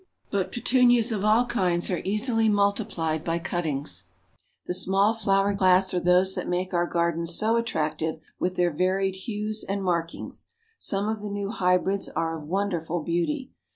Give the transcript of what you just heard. But Petunias of all kinds are easily multiplied by cuttings. The Small Flowered class are those that make our gardens so attractive with their varied hues and markings. Some of the new hybrids are of wonderful beauty.